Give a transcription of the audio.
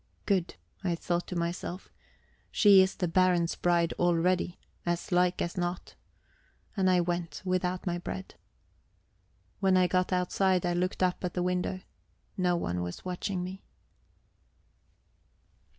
Good, I thought to myself. She is the Baron's bride already, as like as not. And I went, without my bread. When I got outside, I looked up at the window. No one was watching me.